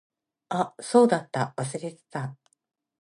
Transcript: あ、そうだった。忘れてた。